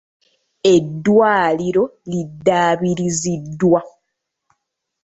Eddwaliro liddabiriziddwa.